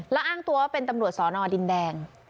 แล้วอ้างตัวว่าเป็นตำรวจสอนอดินแดง